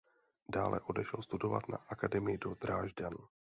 Dále odešel studovat na akademii do Drážďan.